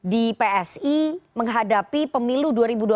atau politik di psi menghadapi pemilu dua ribu dua puluh empat